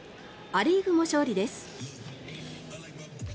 ア・リーグも勝利です。